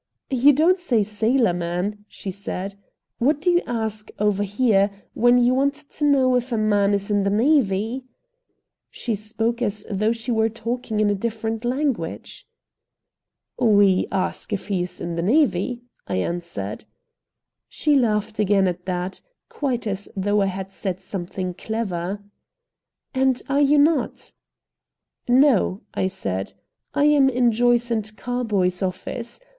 "You don't say 'sailorman,'" she said. "What do you ask, over here, when you want to know if a man is in the navy?" She spoke as though we were talking a different language. "We ask if he is in the navy," I answered. She laughed again at that, quite as though I had said something clever. "And you are not?" "No," I said, "I am in Joyce & Carboy's office.